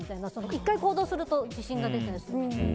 １回行動すると自信が出たりするので。